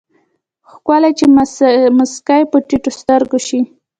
ښکلے چې مسکې په ټيټو سترګو شي